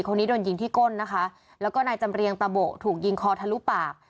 คนนี้โดนยิงที่ก้นนะคะแล้วก็นายจำเรียงตะโบะถูกยิงคอทะลุปาก